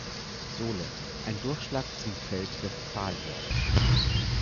Sohle ein Durchschlag zum Feld Westphalia erstellt.